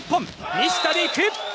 西田で行く！